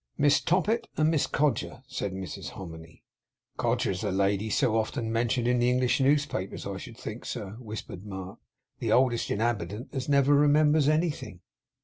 'Miss Toppit, and Miss Codger!' said Mrs Hominy. 'Codger's the lady so often mentioned in the English newspapers I should think, sir,' whispered Mark. 'The oldest inhabitant as never remembers anything.